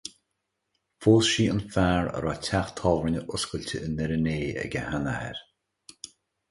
Phós sí an fear a raibh teach tábhairne oscailte i nDoire an Fhéich ag a sheanathair.